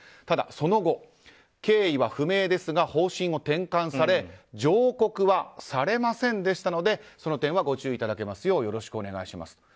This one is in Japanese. ただその後経緯は不明ですが方針を転換され上告はされませんでしたのでその点はご注意いただけますようよろしくお願いします。